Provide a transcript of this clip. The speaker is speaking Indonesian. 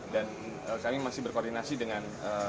dan kami masih berkoordinasi dengan